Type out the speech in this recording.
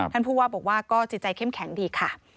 ท่านผู้ว่าบอกว่าก็จิตใจเข้มแข็งดีค่ะ